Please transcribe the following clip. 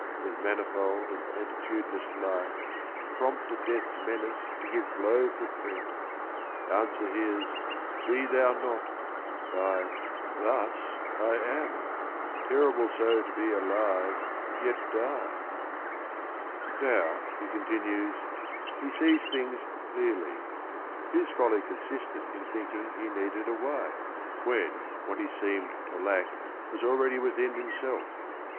— With manifold and plenitudinous life, Prompt at death's menace to give blow for threat, Answer his 'Be thou not 1 ' by 'Thus I am !'— Terrible so to be alive yet die? " Now, he continues, he sees things cj eajly. His folly consisjtfid—in— tbi ukiug he needed a wife, 176 THE RING AND THE BOOK when, what he seemed to lack was already within himself.